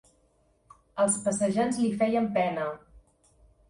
Els passejants li feien pena